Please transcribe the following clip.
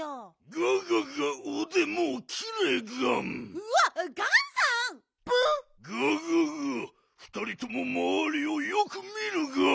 ガガガふたりともまわりをよく見るガン。